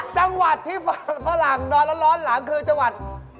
จังหวัดที่ฝั่งฝรั่งนอนร้อนหลังคือจังหวัด